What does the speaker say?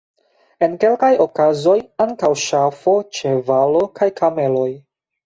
En kelkaj okazoj ankaŭ ŝafo, ĉevalo kaj kameloj.